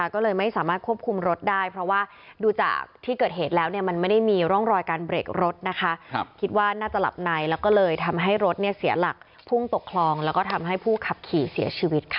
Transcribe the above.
ก็พูดอีกทีเช้าเลย